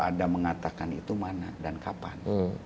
ada mengatakan itu mana dan kapan